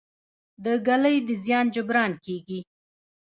د ږلۍ د زیان جبران کیږي؟